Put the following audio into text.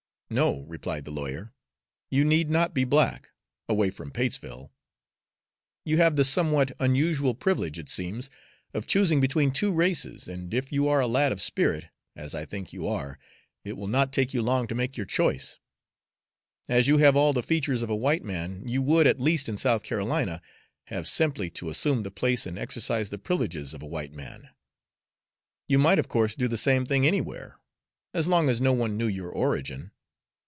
"No," replied the lawyer, "you need not be black, away from Patesville. You have the somewhat unusual privilege, it seems, of choosing between two races, and if you are a lad of spirit, as I think you are, it will not take you long to make your choice. As you have all the features of a white man, you would, at least in South Carolina, have simply to assume the place and exercise the privileges of a white man. You might, of course, do the same thing anywhere, as long as no one knew your origin.